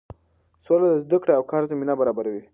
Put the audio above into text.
سوله د زده کړې او کار زمینه برابروي.